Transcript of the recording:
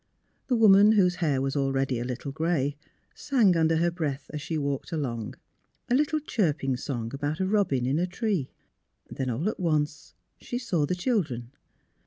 The woman, whose hair was already a little gray, sang under her breath as she walked along — a little chirping song about a robin in a tree. Then, all at once, she saw the children.